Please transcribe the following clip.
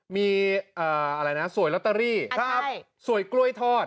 มีสวยรัตตารี่สวยกล้วยทอด